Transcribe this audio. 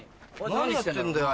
何やってんだよ